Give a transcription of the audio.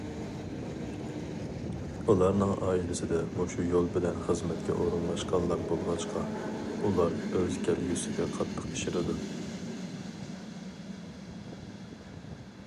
ئۇلارنىڭ ئائىلىسىدە مۇشۇ يول بىلەن خىزمەتكە ئورۇنلاشقانلار بولغاچقا ئۇلار ئۆز كەلگۈسىگە قاتتىق ئىشىنىدۇ.